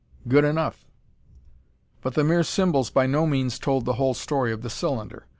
Good enough. But the mere symbols by no means told the whole story of the cylinder.